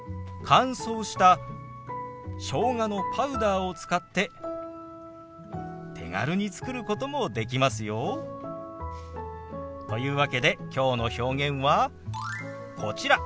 乾燥したしょうがのパウダーを使って手軽に作ることもできますよ。というわけできょうの表現はこちら。